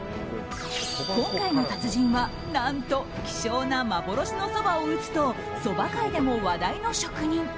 今回の達人は何と希少な幻のそばを打つとそば界でも話題の職人。